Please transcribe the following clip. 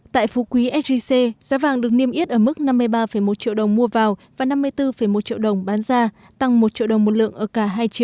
tại phú quý sgc giá vàng được niêm yết ở mức năm mươi ba một triệu đồng mua vào và năm mươi bốn một triệu đồng bán ra tăng một triệu đồng một lượng ở cả hai triệu